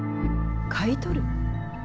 買い取る？